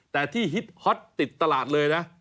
แต่ที่ฮิตฮอตติดตลาดเลยนะ